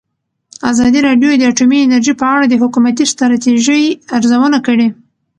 ازادي راډیو د اټومي انرژي په اړه د حکومتي ستراتیژۍ ارزونه کړې.